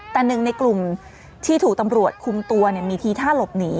แต่หนึ่งในกลุ่มที่ถูกตำรวจคุมตัวมีทีท่าหลบหนี